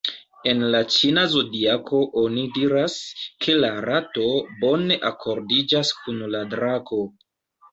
En la ĉina zodiako oni diras, ke la rato bone akordiĝas kun la drako.